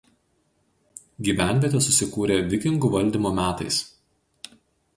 Gyvenvietė susikūrė vikingų valdymo metais.